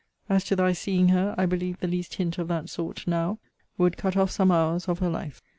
As to thy seeing her, I believe the least hint of that sort, now, would cut off some hours of her life.